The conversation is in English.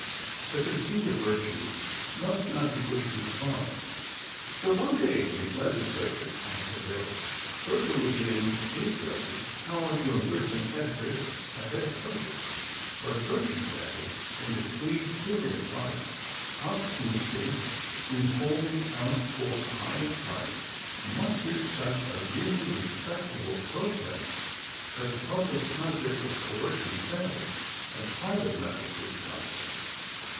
The conceit of virtue must not be pushed too far. So one day his Legislature passed a bill virtually giving his judges power to imprison editors at their pleasure. But virtue that is, in the Tweed theory of life, obstinacy in holding out for a higher price mustered such a really respectable protest that the public project of coercion failed, and private methods were tried.